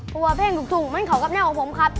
เพราะว่าเพลงถูกเหมือนเขากับแนวของผมครับ